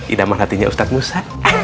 indah mah hatinya ustaz musa